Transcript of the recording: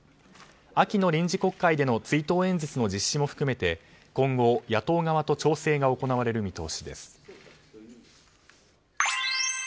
秋の臨時国会での追悼演説の実施も含めて今後、野党側と調整が行われる見通しです。